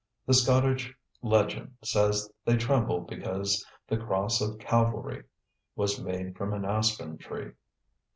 The Scottish legend says they tremble because the cross of Calvary was made from an aspen tree.